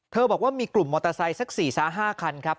บอกว่ามีกลุ่มมอเตอร์ไซค์สัก๔๕คันครับ